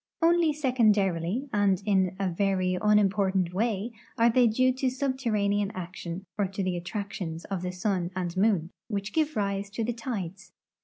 Only secondarily and in a very unim portant way are the}'' due to subterranean action or to the attrac tions of the sun and moon, which give rise to the tides.